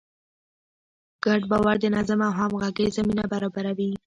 ګډ باور د نظم او همغږۍ زمینه برابروي.